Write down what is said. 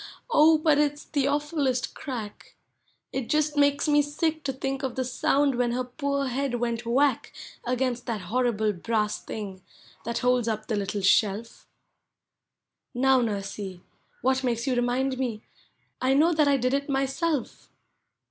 Oh, but it 's the awful lest crack! It just makes ine sick to think of the sound when her poor head went whack Against that horrible brass thing that holds up the little shelf. Now, Xursey, what makes you remind me? I know that I did it myself!